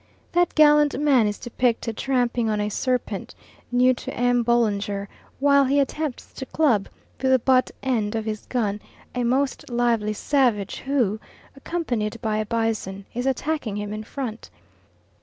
That gallant man is depicted tramping on a serpent, new to M. Boulenger, while he attempts to club, with the butt end of his gun, a most lively savage who, accompanied by a bison, is attacking him in front.